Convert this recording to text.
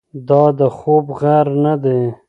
دا د خوب غږ نه دی.